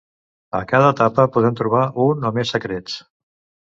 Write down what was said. A cada etapa podem trobar un o més secrets.